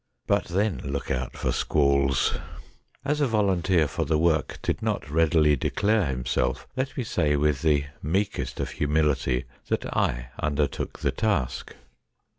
But then look out for squalls ! As a volunteer for the work did not readily declare himself, let me say with the meekest of humility that I undertook the task.